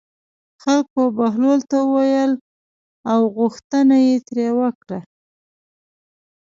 خلکو بهلول ته وویل او غوښتنه یې ترې وکړه.